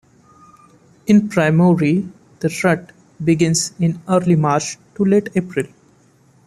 In Primorye, the rut begins in early March to late April.